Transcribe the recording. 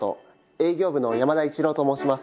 営業部の山田一郎と申します。